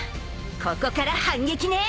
［ここから反撃ね！